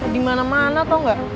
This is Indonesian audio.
di mana mana tau gak